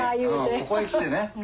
ここへ来てね